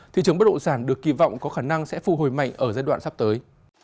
thị trường bất động sản được kỳ vọng có khả năng sẽ phù hồi mạnh ở giai đoạn sắp tới